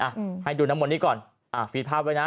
อืมให้ดูน้ำมนนี้ก่อนอ่าฟีดภาพไว้นะ